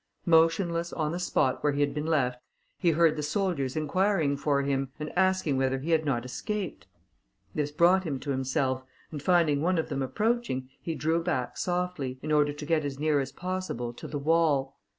Motionless on the spot where he had been left, he heard the soldiers inquiring for him, and asking whether he had not escaped. This brought him to himself, and finding one of them approaching, he drew back softly, in order to get as near as possible to the wall.